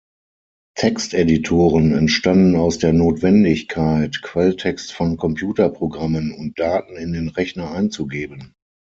Texteditoren entstanden aus der Notwendigkeit, Quelltext von Computerprogrammen und Daten in den Rechner einzugeben.